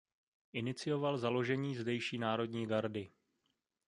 Inicioval založení zdejší národní gardy.